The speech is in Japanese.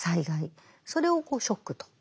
それをショックと。